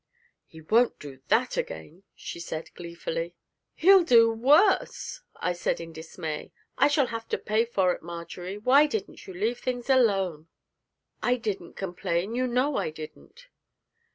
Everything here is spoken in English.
'He won't do that again,' she said gleefully. 'He'll do worse,' I said in dismay; 'I shall have to pay for it. Marjory, why didn't you leave things alone? I didn't complain you know I didn't.'